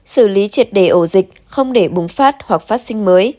xử lý triệt đề ổ dịch không để bùng phát hoặc phát sinh mới